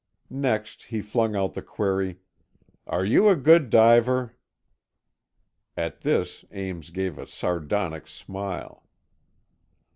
Next he flung out the query, "Are you a good diver?" At this Ames gave a sardonic smile.